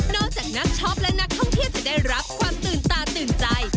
จากนักช็อปและนักท่องเที่ยวจะได้รับความตื่นตาตื่นใจ